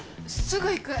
すぐ行く！